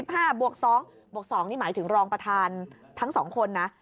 ๒หมายถึงรองประธานทั้ง๒คนนะ